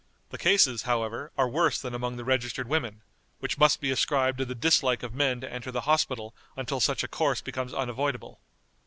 The cases, however, are worse than among the registered women, which must be ascribed to the dislike of men to enter the hospital until such a course becomes unavoidable.